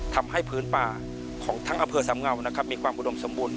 ทำให้พื้นป่าของทั้งอำเภอสำเงานะครับมีความอุดมสมบูรณ